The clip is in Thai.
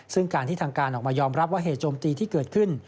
ซึ่งการที่ทางการออกมายอมรับว่าเหตุโจมตีที่เกิดขึ้น